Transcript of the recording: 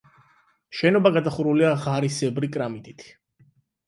შენობა გადახურულია ღარისებრი კრამიტით.